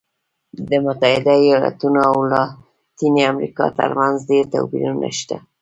د متحده ایالتونو او لاتینې امریکا ترمنځ ډېر توپیرونه شته.